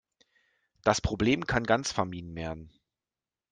Das Problem kann ganz vermieden werden.